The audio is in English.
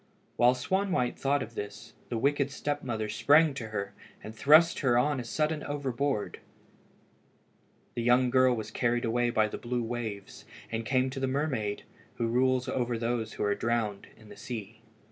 While Swanwhite thought of this, the wicked step mother sprang to her, and thrust her on a sudden overboard. The young girl was carried away by the blue waves, and came to the mermaid who rules over all those who are drowned in the sea.